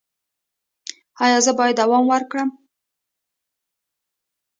ایا زه باید دوام ورکړم؟